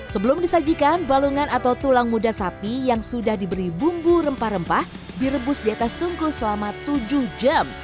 sebelum disajikan balungan atau tulang muda sapi yang sudah diberi bumbu rempah rempah direbus di atas tungku selama tujuh jam